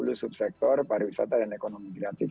terus ada dua puluh sub sektor pariwisata dan ekonomi kreatif